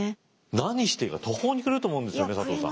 何していいか途方に暮れると思うんですよね佐藤さん。